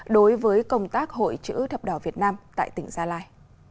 đối với công tác hội chữ thập đỏ việt nam tại tỉnh gia lai